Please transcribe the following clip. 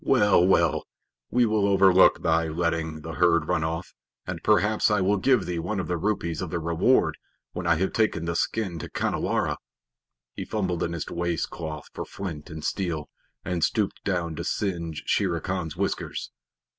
Well, well, we will overlook thy letting the herd run off, and perhaps I will give thee one of the rupees of the reward when I have taken the skin to Khanhiwara." He fumbled in his waist cloth for flint and steel, and stooped down to singe Shere Khan's whiskers.